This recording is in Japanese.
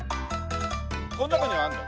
この中にはあるの？